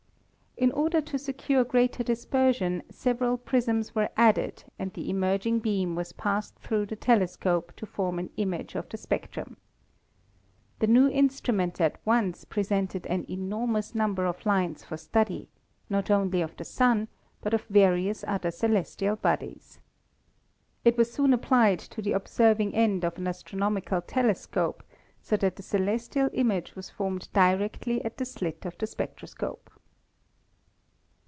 In order to secure greater dispersion, several prisms were added and the emerging beam was passed through the telescope to form an image of the spectrum. The RISE OF ASTROPHYSICS 31 new instrument at once presented an enormous num ber of lines for study, not only of the Sun, but of various other celestial bodies. It was soon applied to the observ ing end of an astronomical telescope, so that the celestial image was formed directly at the slit of the spectroscope.